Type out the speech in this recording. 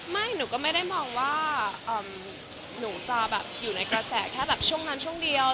หนูก็ไม่ได้มองว่าหนูจะแบบอยู่ในกระแสแค่แบบช่วงนั้นช่วงเดียว